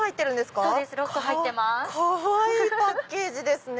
かわいいパッケージですね。